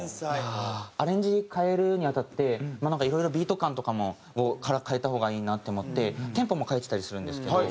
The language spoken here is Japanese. アレンジ変えるに当たっていろいろビート感とかも変えた方がいいなって思ってテンポも変えてたりするんですけど。